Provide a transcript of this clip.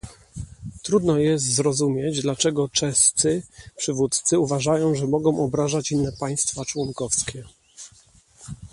Trudno jest zrozumieć, dlaczego czescy przywódcy uważają że mogą obrażać inne państwa członkowskie